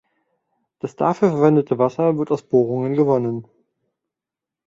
Das dafür verwendete Wasser wird aus Bohrungen gewonnen.